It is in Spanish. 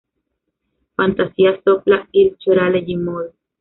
Fantasia sopra il Chorale G-moll".